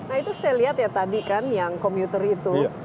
nah itu saya lihat ya tadi kan yang komuter itu